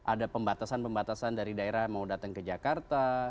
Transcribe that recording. ada pembatasan pembatasan dari daerah mau datang ke jakarta